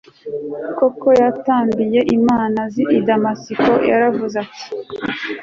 kuko yatambiye imana z'i damasiko. yaravuze ati